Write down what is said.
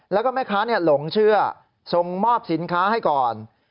แล้วก็แม่ค้าหลงเชื่อส่งมอบสินค้าให้ก่อน